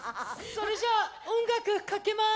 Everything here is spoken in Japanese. それじゃあ音楽かけます。